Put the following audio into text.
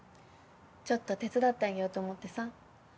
ちょっと手伝ってあげようと思ってさ。